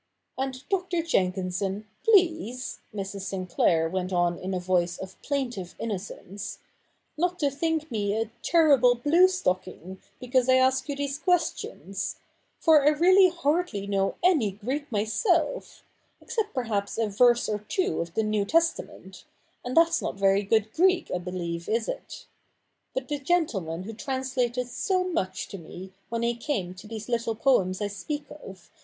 ' And, Dr. Jenkinson, please,' Mrs. Sinclair went on in a voice of plaintive innocence, ' not to think me a terrible blue stocking, because I ask you these questions ; for I really hardly know any Greek myself — except perhaps a verse or two of the New Testament ; and that's not very good Greek, I believe, is it? But the gentleman who translated so much to me, when he came to these little poems I speak of.